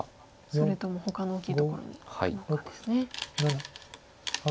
それともほかの大きいところにいくのかですね。